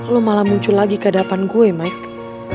lo malah muncul lagi ke hadapan gue mike